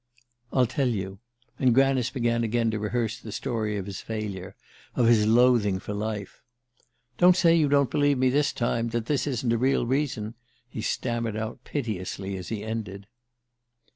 "I'll tell you " And Granice began again to rehearse the story of his failure, of his loathing for life. "Don't say you don't believe me this time ... that this isn't a real reason!" he stammered out piteously as he ended.